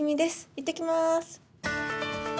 いってきます。